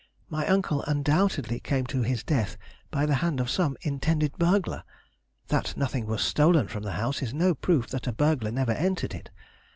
My uncle undoubtedly came to his death by the hand of some intended burglar. That nothing was stolen from the house is no proof that a burglar never entered it.